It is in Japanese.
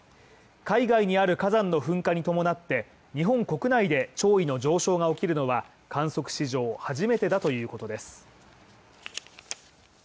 海外にある火山の噴火に伴って、日本国内で潮位の上昇が起きるのは観測史上初めてだということです。